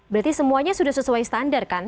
berarti semuanya sudah sesuai standar kan